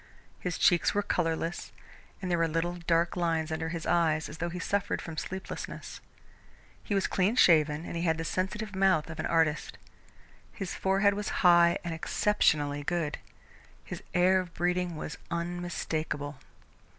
His cheeks were colourless, and there were little dark lines under his eyes as though he suffered from sleeplessness. He was clean shaven and he had the sensitive mouth of an artist. His forehead was high and exceptionally good. His air of breeding was unmistakable.